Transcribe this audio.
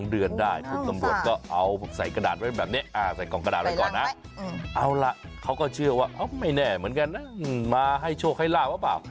เอาละเขาก็เชื่อว่าไม่แน่เหมือนกันนะมาให้โชคให้ราวหรือเปล่า